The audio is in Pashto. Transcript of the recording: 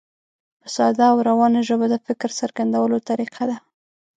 په ساده او روانه ژبه د فکر څرګندولو طریقه ده.